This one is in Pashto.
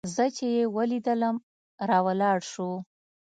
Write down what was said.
زه چې يې ولېدلم راولاړ سو.